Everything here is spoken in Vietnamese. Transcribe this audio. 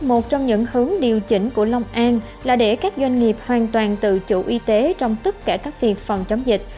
một trong những hướng điều chỉnh của long an là để các doanh nghiệp hoàn toàn tự chủ y tế trong tất cả các việc phòng chống dịch